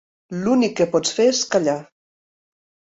L'únic que pots fer és callar.